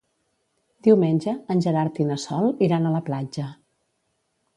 Diumenge en Gerard i na Sol iran a la platja.